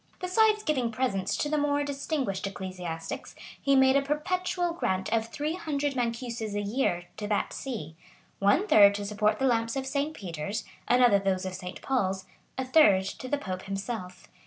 Besides giving presents to the more distinguished ecclesiastics, he made a perpetual grant of three hundred mancuses[] a year to that see; one third to support the lamps of St. Peter's, another those of St. Paul's, a third to the pope himself.